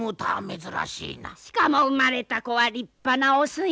しかも生まれた子は立派な雄犬。